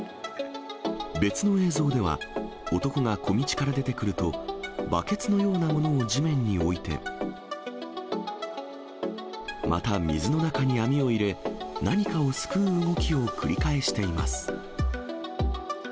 別の映像では、男が小道から出てくると、バケツのようなものを地面に置いて、また水の中に網を入れ、何かをすくう動きを繰り返しています。